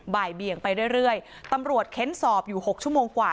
บ่ายเบี่ยงไปเรื่อยตำรวจเค้นสอบอยู่๖ชั่วโมงกว่า